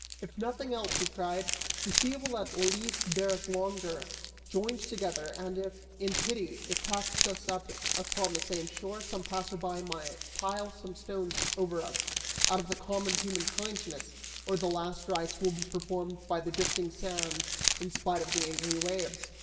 "If nothing else," he cried, "the sea will at least bear us longer, joined together, and if, in pity, it casts us up upon the same shore, some passerby may pile some stones over us, out of common human kindness, or the last rites will be performed by the drifting sand, in spite of the angry waves."